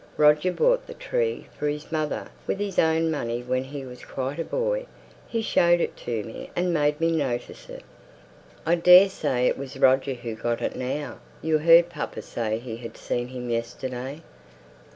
Roger bought the tree for his mother with his own money when he was quite a boy; he showed it me, and made me notice it." "I daresay it was Roger who got it now. You heard papa say he had seen him yesterday."